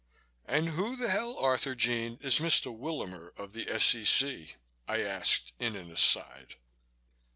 "And who the hell, Arthurjean, is Mr. Willamer of the S.E.C.?" I asked in an aside.